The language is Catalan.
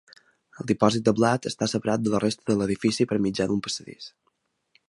El dipòsit de blat està separat de la resta de l'edifici per mitjà d'un passadís.